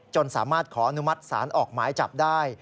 จนสามารถขออนุมัติสารออกไม้จับได้